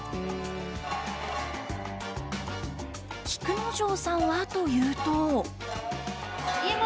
菊之丞さんはというと。